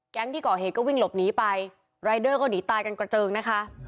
ที่ก่อเหตุก็วิ่งหลบหนีไปรายเดอร์ก็หนีตายกันกระเจิงนะคะ